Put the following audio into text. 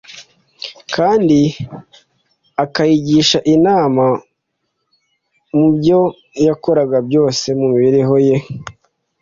kandi akayigisha inama mu byo yakoraga byose mu mibereho ye.